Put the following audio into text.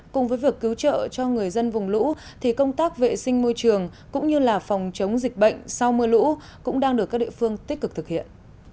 cùng với việc cứu trợ cho người dân vùng lũ thì công tác vệ sinh môi trường cũng như là phòng chống dịch bệnh sau mưa lũ cũng đang được các địa phương tích cực thực hiện